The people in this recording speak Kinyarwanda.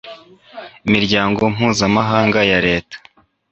imiryango mpuzamahanga ya reta